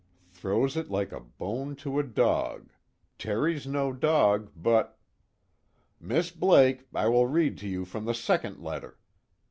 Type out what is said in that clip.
Throws it like a bone to a dog Terry's no dog but "Miss Blake, I will read to you from the second letter.